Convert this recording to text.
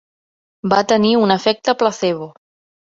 Va tenir un efecte placebo.